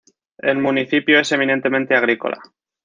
El municipio es eminentemente agrícola.